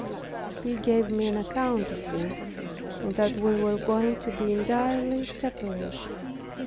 He gave me an account of this, and that we were going to be entirely separated.